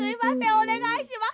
おねがいします。